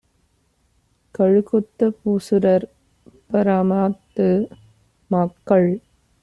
கழுகொத்த பூசுரர், பரமாத்து மாக்கள்